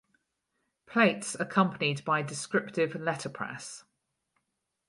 Plates accompanied by descriptive letterpress.